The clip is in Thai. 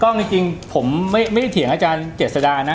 กล้องจริงผมไม่เถียงอาจารย์เจษฎานะ